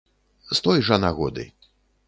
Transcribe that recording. З той жа нагоды.